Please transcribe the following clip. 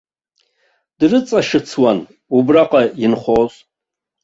Дрыҵашьыцуан убраҟа инхоз.